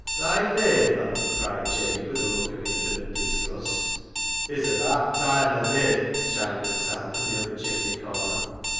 " Thy fayther !" cried Jabe, with a look of infinite disgust. " It's abaat toime tha did," chimed in Sam from the other chimney corner.